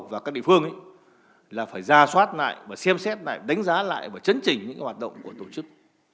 và các địa phương là phải ra soát lại và xem xét lại đánh giá lại và chấn chỉnh những hoạt động của tổ chức